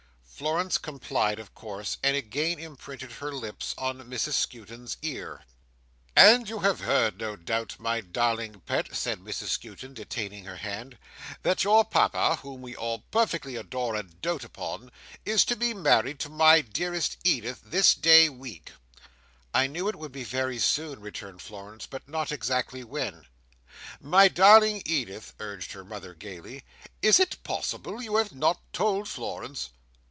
Florence complied, of course, and again imprinted her lips on Mrs Skewton's ear. "And you have heard, no doubt, my darling pet," said Mrs Skewton, detaining her hand, "that your Papa, whom we all perfectly adore and dote upon, is to be married to my dearest Edith this day week." "I knew it would be very soon," returned Florence, "but not exactly when." "My darling Edith," urged her mother, gaily, "is it possible you have not told Florence?"